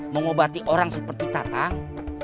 mengobati orang seperti tatang